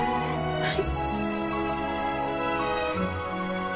はい。